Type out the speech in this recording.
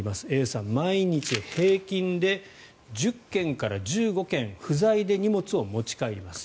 Ａさん、毎日平均で１０件から１５件不在で荷物を持ち帰ります。